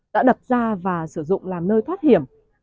đã đặt ra và sử dụng làm nơi thoát hiểm